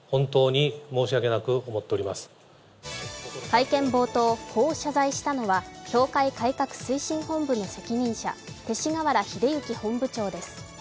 会見冒頭、こう謝罪したのは教会改革推進本部の責任者勅使河原秀行本部長です。